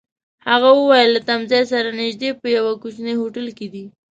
هغه وویل: له تمځای سره نژدې، په یوه کوچني هوټل کي دي.